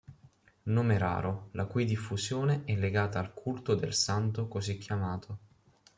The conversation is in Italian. Nome raro, la cui diffusione è legata al culto del santo così chiamato.